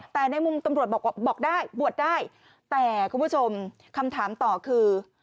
แต่ในมุมตำรวจบอกว่าบอกได้บวชได้แต่คุณผู้ชมคำถามต่อคือ